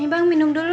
nih bang minum dulu